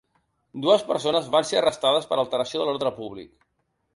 Dues persones van ser arrestades per alteració de l’ordre públic.